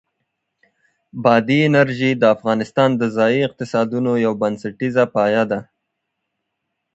بادي انرژي د افغانستان د ځایي اقتصادونو یو بنسټیز پایایه دی.